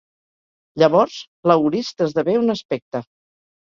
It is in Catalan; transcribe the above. Llavors, l'aorist esdevé un aspecte.